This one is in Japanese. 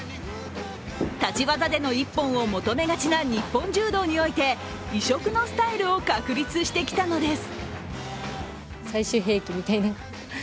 立ち技での一本を求めがちな日本柔道において異色のスタイルを確立してきたのです。